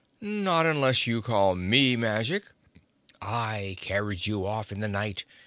"Not unless you call me magic. I carried you off in the night.